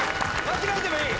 間違えてもいい。